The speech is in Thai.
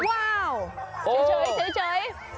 ว้าวเฉย